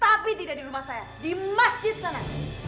tapi tidak di rumah saya di masjid sana